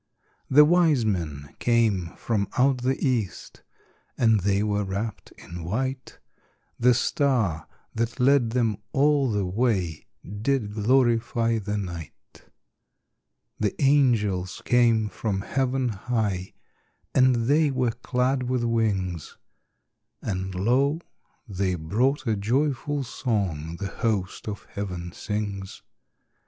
The wise men came from out the east, And they were wrapped in white; The star that led them all the way Did glorify the night. The angels came from heaven high, And they were clad with wings; And lo, they brought a joyful song The host of heaven sings.